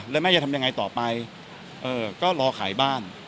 แล้วแม่จะทำยังไงต่อไปก็รอขายบ้าน